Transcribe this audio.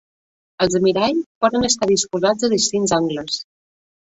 Els miralls poden estar disposats a distints angles.